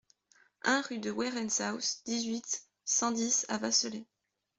un rue de Werentzhouse, dix-huit, cent dix à Vasselay